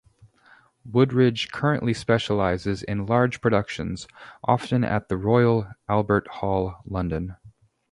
Wooldridge currently specialises in large productions, often at the Royal Albert Hall, London.